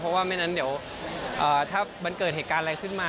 เพราะว่าไม่งั้นเดี๋ยวถ้ามันเกิดเหตุการณ์อะไรขึ้นมา